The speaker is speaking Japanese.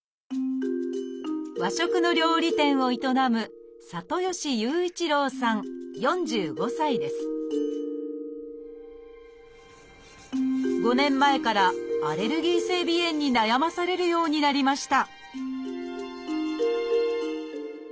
和食の料理店を営む５年前からアレルギー性鼻炎に悩まされるようになりました